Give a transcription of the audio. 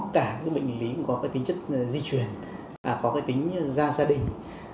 cả những bệnh lý cũng có cái tính chất di truyền có cái tính gia gia đình